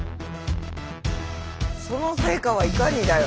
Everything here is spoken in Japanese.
その成果はいかにだよ。